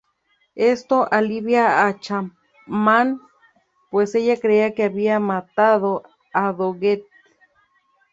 Esto alivia a Chapman, pues ella creía que había matado a Doggett.